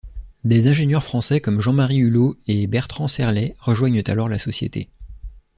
Des ingénieurs français comme Jean-Marie Hullot et Bertrand Serlet rejoignent alors la société.